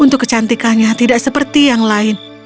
untuk kecantikannya tidak seperti yang lain